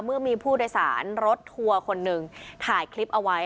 เมื่อมีผู้โดยสารรถทัวร์คนหนึ่งถ่ายคลิปเอาไว้